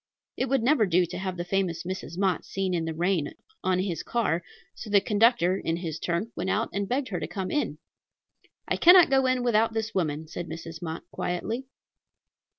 It would never do to have the famous Mrs. Mott seen in the rain on his car; so the conductor, in his turn, went out and begged her to come in. "I cannot go in without this woman," said Mrs. Mott quietly.